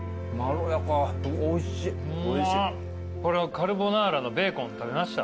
カルボナーラのベーコン食べました？